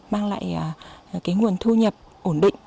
mang lại nguồn thu nhập ổn định